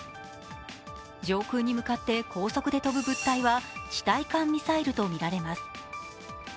上空に向かって高速で飛ぶ物体は地対艦ミサイルとみられます。